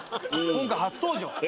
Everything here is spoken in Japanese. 今回初登場！